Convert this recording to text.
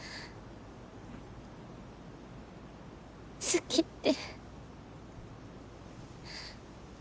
好きって。